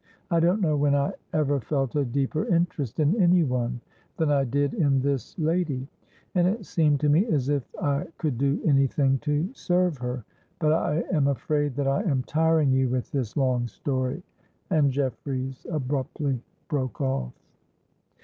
I don't know when I ever felt a deeper interest in any one than I did in this lady; and it seemed to me as if I could do any thing to serve her. But I am afraid that I am tiring you with this long story;"—and Jeffreys abruptly broke off.